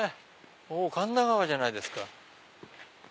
神田川じゃないですか。